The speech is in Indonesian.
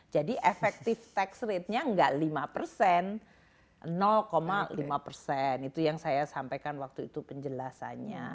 jadi efektif tax rate nya tidak lima persen lima persen itu yang saya sampaikan waktu itu penjelasannya